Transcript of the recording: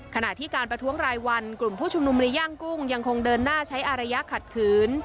ขณะที่การประท้วงรายวันกลุ่มผู้ชุมนุมในย่างกุ้งยังคงเดินหน้าใช้อารยะขัดขืน